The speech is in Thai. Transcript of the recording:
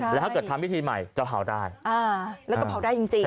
แล้วถ้าเกิดทำพิธีใหม่จะเผาได้แล้วก็เผาได้จริง